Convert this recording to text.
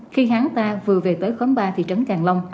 khi hán ta vừa về tới khóm ba thị trấn càng long